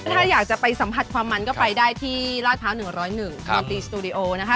ถ้าอยากจะไปสัมผัสความมันก็ไปได้ที่ลาดพร้าว๑๐๑มนตรีสตูดิโอนะคะ